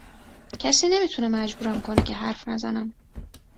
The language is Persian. کسی نمی تونه مجبورم کنه که حرف نزنم